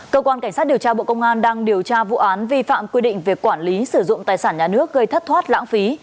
cơ quan cảnh sát điều tra bộ công an đang điều tra vụ án vi phạm quy định về quản lý sử dụng tài sản nhà nước gây thất thoát lãng phí